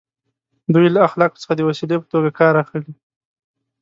دوی له اخلاقو څخه د وسیلې په توګه کار اخلي.